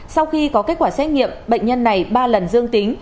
sau khi có kết quả xét nghiệm bệnh nhân này ba lần dương tính